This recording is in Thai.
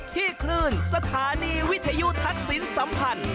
คลื่นสถานีวิทยุทักษิณสัมพันธ์